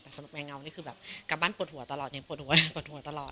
แต่สำหรับแมงเงานี่คือแบบกลับบ้านปวดหัวตลอดยังปวดหัวปวดหัวตลอด